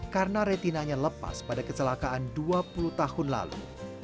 karena retinanya lepas pada kecelakaan dua puluh tahun lalu